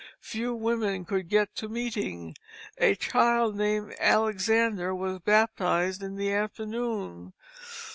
Few women could get to Meeting. A Child named Alexander was baptized in the afternoon."